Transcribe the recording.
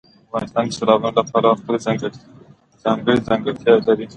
افغانستان د سیلابونو له پلوه خپله ځانګړې ځانګړتیا لري.